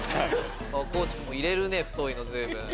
地君も入れるね太いの随分。